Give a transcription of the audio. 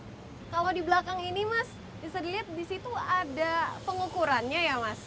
kalau di belakang ini mas bisa dilihat di situ ada pengukurannya ya mas